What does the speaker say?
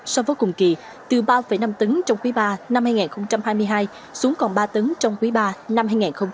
so với cùng kỳ từ ba năm tấn trong quý ba năm hai nghìn hai mươi hai xuống còn ba tấn trong quý ba năm hai nghìn hai mươi hai